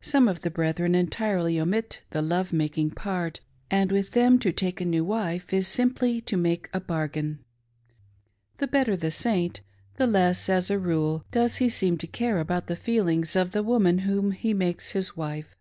Some of the brethren entirely omit the love making part, and with them to take a new wife is simply to make a bargain. The better the Saint, the less, as a rule, does he seem to care about the feelings of the woman whom he makes his wife.